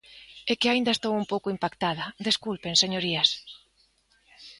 É que aínda estou un pouco impactada; desculpen, señorías.